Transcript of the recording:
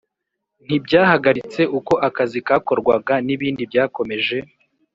Ntibyahagaritse uko akazi kakorwaga n’ibindi byakomeje